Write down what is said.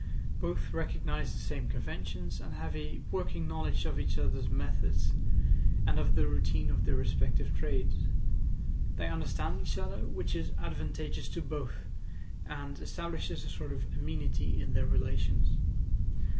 Both recognise the same conventions, and have a working knowledge of each other's methods and of the routine of their respective trades. They understand each other, which is advantageous to both, and establishes a sort of amenity in their relations.